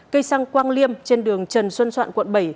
cây xăng quang liêm trên đường trần xuân soạn quận bảy